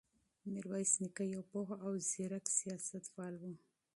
میرویس نیکه یو پوه او زیرک سیاستوال و.